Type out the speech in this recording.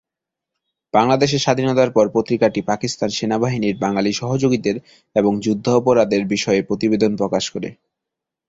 বাংলাদেশের স্বাধীনতার পর পত্রিকাটি পাকিস্তান সেনাবাহিনীর বাঙালি সহযোগীদের এবং যুদ্ধাপরাধের বিষয়ে প্রতিবেদন প্রকাশ করে।